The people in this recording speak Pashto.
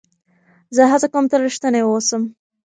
زه هڅه کوم تل رښتینی واوسم.